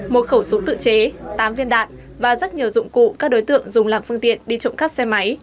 một khẩu súng tự chế tám viên đạn và rất nhiều dụng cụ các đối tượng dùng làm phương tiện đi trộm cắp xe máy